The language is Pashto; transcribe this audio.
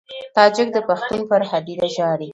تاجک د پښتون پر هدیره ژاړي.